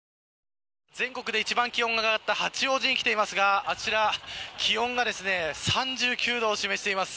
全国で一番気温が上がった八王子に来ていますが、あちら気温が３９度を示しています。